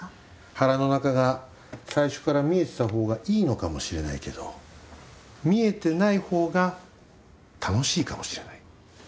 腹の中が最初から見えてたほうがいいのかもしれないけど見えてないほうが楽しいかもしれない。